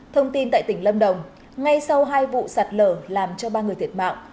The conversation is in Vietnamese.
thông tin tại tỉnh lâm đồng ngay sau hai vụ sạt lở làm cho ba người thiệt mạng